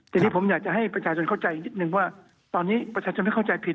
ทีนี้ผมอยากจะให้ประชาชนเข้าใจนิดนึงว่าตอนนี้ประชาชนไม่เข้าใจผิด